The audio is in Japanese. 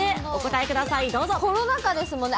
コロナ禍ですもんね。